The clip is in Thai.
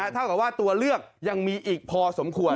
เท่ากับว่าตัวเลือกยังมีอีกพอสมควร